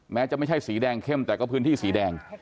แม้จะไม่ใช่สีแดงเข้มแต่ก็พื้นที่สีแดง